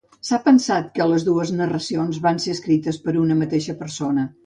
S'ha pensat que les dues narracions van ser escrites per una mateixa persona.